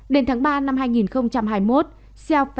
đến tháng ba năm hai nghìn hai mươi một xiao fan đến trung quốc